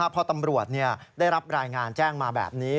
พอตำรวจได้รับรายงานแจ้งมาแบบนี้